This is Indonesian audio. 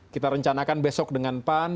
kita rencanakan besok dengan pan